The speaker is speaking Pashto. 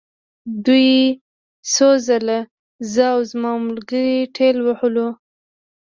دوی څو ځله زه او زما ملګري ټېل وهلو